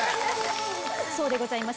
そうでございます。